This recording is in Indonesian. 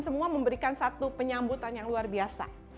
semua memberikan satu penyambutan yang luar biasa